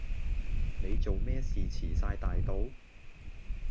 你仲咩事遲晒大到？